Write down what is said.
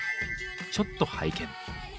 ちょっと拝見。